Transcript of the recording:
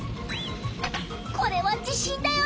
これは地震だよ！